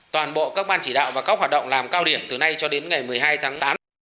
toàn bộ các ban chỉ đạo và các hoạt động làm cao điểm từ nay cho đến ngày một mươi hai tháng tám